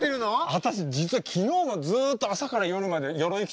私実は昨日もずっと朝から夜までよろい着て戦ってたのよ。